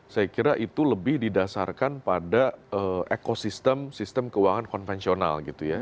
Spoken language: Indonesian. saya kira itu lebih didasarkan pada ekosistem sistem keuangan konvensional gitu ya